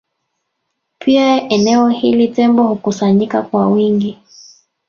Pia eneo hili Tembo hukusanyika kwa wingi